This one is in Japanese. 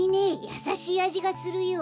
やさしいあじがするよ。